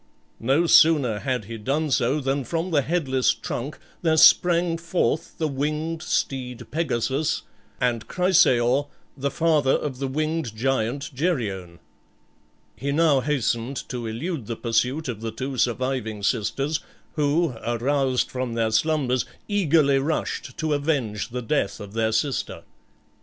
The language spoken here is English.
No sooner had he done so than from the headless trunk there sprang forth the winged steed Pegasus, and Chrysaor, the father of the winged giant Geryon. He now hastened to elude the pursuit of the two surviving sisters, who, aroused from their slumbers, eagerly rushed to avenge the death of their sister.